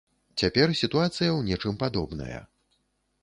Цяпер сітуацыя ў нечым падобная.